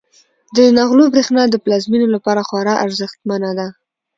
د نغلو برښنا د پلازمینې لپاره خورا ارزښتمنه ده.